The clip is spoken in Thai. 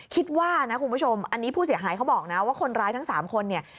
คิดว่านะคุณผู้ชมอันนี้ผู้เสียหายเขาบอกนะว่าคนร้ายทั้ง๓คนเนี่ย